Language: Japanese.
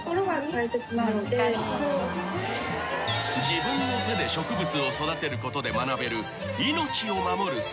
［自分の手で植物を育てることで学べる］